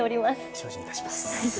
精進いたします。